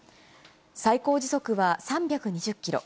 最高時速は３２０キロ。